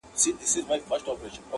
د پردي شیخ په دعاګانو ژړا نه سمیږو -